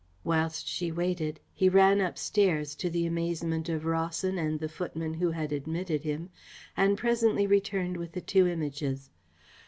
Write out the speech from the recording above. Whilst she waited, he ran upstairs, to the amazement of Rawson and the footman who had admitted him, and presently returned with the two Images.